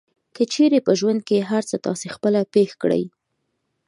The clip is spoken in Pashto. که چېرې په ژوند کې هر څه تاسې خپله پېښ کړئ.